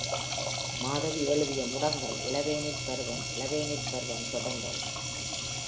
மாதவி எழுதிய முடங்கல் இளவேனில் பருவம் இளவேனில் பருவம் தொடர்ந்தது.